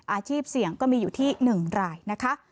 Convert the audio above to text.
อาชีพเสี่ยงก็มีอยู่ที่๑รายนะคะ